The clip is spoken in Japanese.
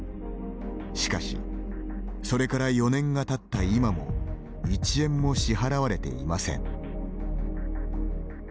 しかしそれから４年がたった今も１円も支払われていません。